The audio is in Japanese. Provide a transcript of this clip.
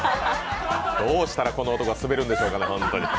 どうしたらこの男はスベるんでしょうかね、ホントに。